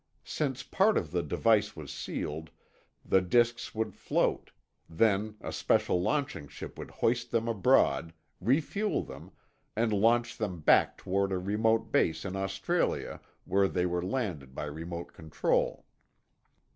Since part of the device was sealed, the disks would float; then a special launching ship would hoist them abroad, refuel them, and launch them back toward a remote base in Australia, where they were landed by remote control.